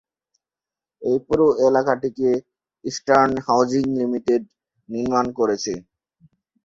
এই পুরো এলাকাটিকে "eastern housing লিঃ" নির্মাণ করেছে।